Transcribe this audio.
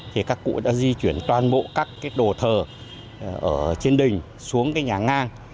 thì các cụ đã di chuyển toàn bộ các cái đồ thờ ở trên đình xuống cái nhà ngang